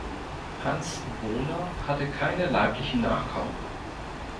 Hans Boner hatte keine leiblichen Nachkommen.